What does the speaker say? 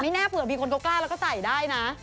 แน่เผื่อมีคนเขากล้าแล้วก็ใส่ได้นะ